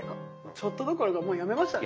ちょっとどころかもうやめましたね。